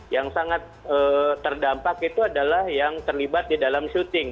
yang sangat terdampak itu adalah yang terlibat di dalam syuting